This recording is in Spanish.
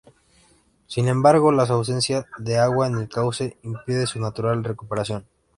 Sin embargo, la ausencia de agua en el cauce impide su natural recuperación.